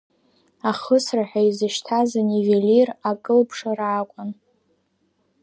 Ахысра ҳәа изышьҭаз анивелир акылԥшра акәын.